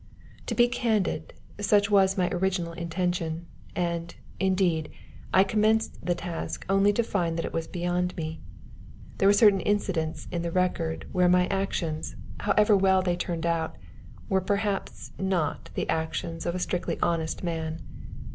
To be candid, such was my original intention, and, indeed, I commenced the task only to find that it was beyond me. There were certain incidents in the record where my actions, however well they turned out, were perhaps not the actions of a strictly honest man.